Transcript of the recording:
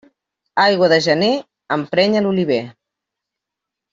Aigua de gener emprenya l'oliver.